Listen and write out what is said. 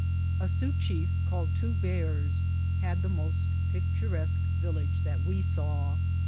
A Sioux chief, called Two Bears, had the most pict uresque village that we saw.